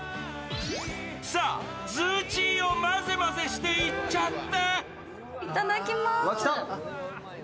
さあ、ズーチーを混ぜ混ぜしていっちゃって。